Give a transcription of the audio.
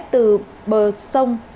từ bờ sông